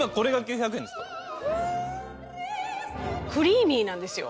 クリーミーなんですよ。